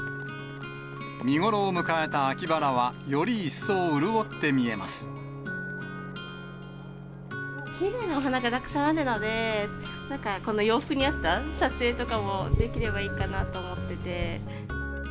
見頃を迎えた秋バラは、より一層、きれいなお花がたくさんあるので、なんか洋服に合った撮影とかもできればいいかなと思ってて。